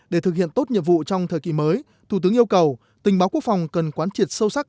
để thực hiện tốt nhiệm vụ trong thời kỳ mới thủ tướng yêu cầu tình báo quốc phòng cần quán triệt sâu sắc